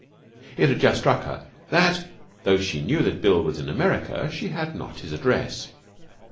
It had just struck her that, though she knew that Bill was in America, she had not his address.